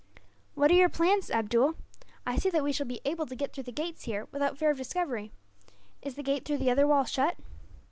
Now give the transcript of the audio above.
"What are your plans, Abdool? I see that we shall be able to get through the gates, here, without fear of discovery. Is the gate through the other wall shut?"